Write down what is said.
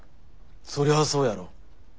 そりゃあそうやろ。